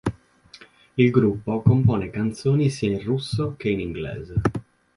Il gruppo compone canzoni sia in russo che in inglese.